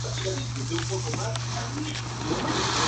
Desempeñó cargos diplomáticos en varios países.